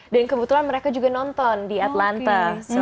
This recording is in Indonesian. dan kebetulan mereka juga nonton di atlanta